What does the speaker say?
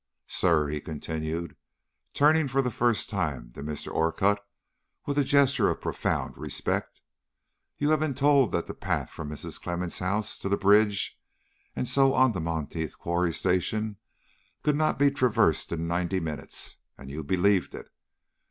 Sir," he continued, turning for the first time to Mr. Orcutt, with a gesture of profound respect, "you had been told that the path from Mrs. Clemmens' house to the bridge, and so on to Monteith Quarry Station, could not be traversed in ninety minutes, and you believed it.